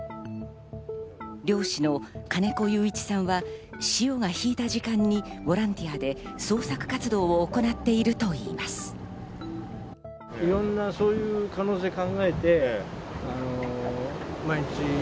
漁師の金子友一さんは潮が引いた時間にボランティアで捜索活動を行っているといいます。